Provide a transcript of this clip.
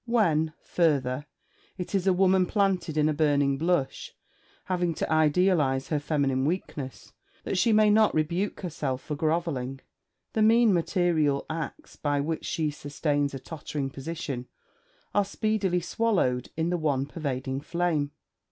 When, further, it is a woman planted in a burning blush, having to idealize her feminine weakness, that she may not rebuke herself for grovelling, the mean material acts by which she sustains a tottering position are speedily swallowed in the one pervading flame.